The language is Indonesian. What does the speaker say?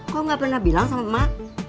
kok gak pernah bilang sama emak